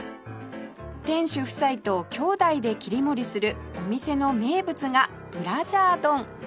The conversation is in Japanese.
店主夫妻と兄弟で切り盛りするお店の名物がブラジャー丼